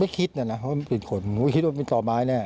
พี่คิดนั่นนะเพราะมันเปลี่ยนขนกูไม่คิดเป็นต่อไม้แน่